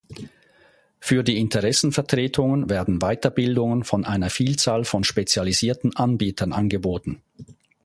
Für die Interessenvertretungen werden Weiterbildungen von einer Vielzahl von spezialisierten Anbietern angeboten.